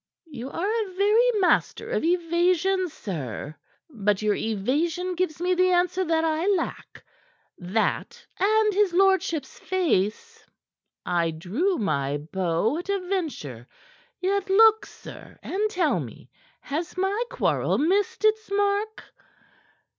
"You are a very master of evasion, sir. But your evasion gives me the answer that I lack that and his lordship's face. I drew my bow at a venture; yet look, sir, and tell me, has my quarrel missed its mark?"